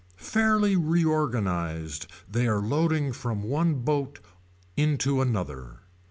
Fairly reorganized they are loading from one boat into another.